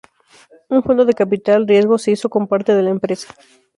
Un fondo de capital riesgo se hizo con parte de la empresa.